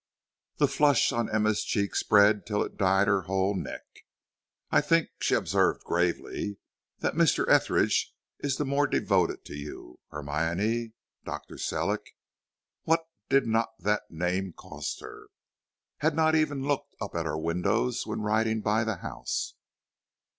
The flush on Emma's cheek spread till it dyed her whole neck. "I think," she observed gravely, "that Mr. Etheridge is the more devoted to you, Hermione. Dr. Sellick " what did not that name cost her? "has not even looked up at our windows when riding by the house."